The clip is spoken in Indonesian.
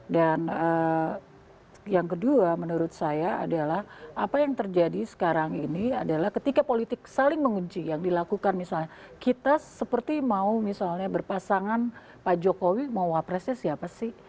yang kedua menurut saya adalah apa yang terjadi sekarang ini adalah ketika politik saling mengunci yang dilakukan misalnya kita seperti mau misalnya berpasangan pak jokowi mau wapresnya siapa sih